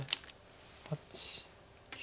８９。